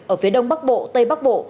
ở phía đông bắc bộ tây bắc bộ